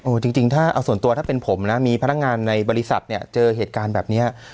จริงถ้าเอาส่วนตัวถ้าเป็นผมนะมีพนักงานในบริษัทเนี่ยเจอเหตุการณ์แบบนี้